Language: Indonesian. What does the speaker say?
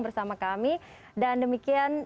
bersama kami dan demikian